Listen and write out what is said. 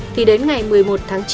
thì đến ngày một mươi một tháng chín